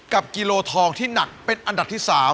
กิโลทองที่หนักเป็นอันดับที่๓